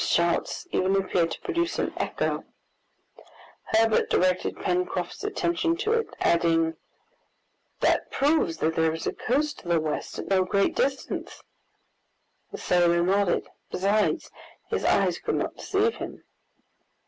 One of Neb's shouts even appeared to produce an echo. Herbert directed Pencroft's attention to it, adding, "That proves that there is a coast to the west, at no great distance." The sailor nodded; besides, his eyes could not deceive him.